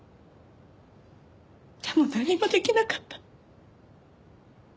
でも何もできなかった。